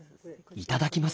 いただきます。